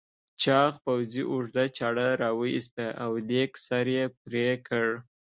چاغ پوځي اوږده چاړه راوایسته او دېگ سر یې پرې کړ.